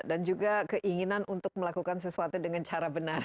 dan juga keinginan untuk melakukan sesuatu dengan cara benar